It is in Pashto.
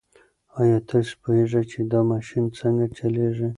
ایا تاسو پوهېږئ چې دا ماشین څنګه چلیږي؟